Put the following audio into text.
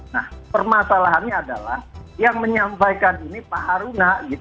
nah permasalahannya adalah yang menyampaikan ini pak haruna